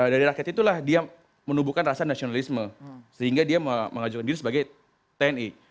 dari rakyat itulah dia menubuhkan rasa nasionalisme sehingga dia mengajukan diri sebagai tni